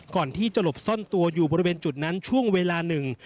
ก่อนที่จะหลบซ่อนตัวอยู่บริเวณจุดนั้นช่วงเวลาหนึ่ง